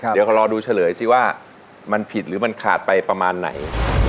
เดี๋ยวก็รอดูเฉลยสิว่ามันผิดหรือมันขาดไปประมาณไหน